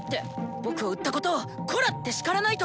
僕を売ったことをコラって叱らないと！